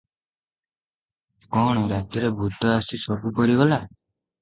କଣ ରାତିରେ ଭୁତ ଆସି ସବୁ କରିଗଲା?